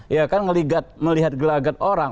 ya kan melihat gelagat orang